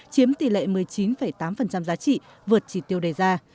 chiếm tỷ lệ một mươi chín tám giá trị vượt chỉ tiêu đề ra